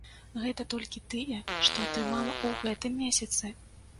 Гэта толькі тыя, што атрымала ў гэтым месяцы!